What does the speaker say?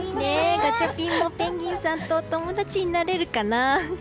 ガチャピンもペンギンさんとお友達になれるかな。